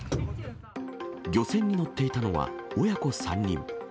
漁船に乗っていたのは親子３人。